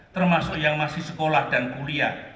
termasuk yang masih sekolah dan kuliah